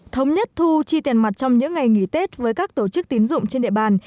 thống nhất thu chi tiền mặt trong những ngày nghỉ tết với các tổ chức tín dụng trên địa bàn